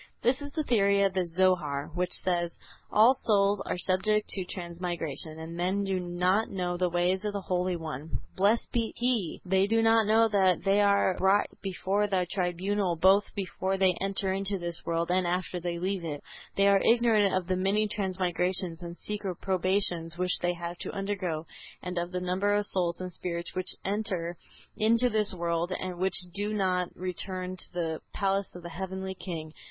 This is the theory of the Zohar, which says: "All souls are subject to transmigration; and men do not know the ways of the Holy One, blessed be He! They do not know that they are brought before the tribunal both before they enter into this world and after they leave it; they are ignorant of the many transmigrations and secret probations which they have to undergo, and of the number of souls and spirits which enter into this world and which do not return to the palace of the Heavenly King.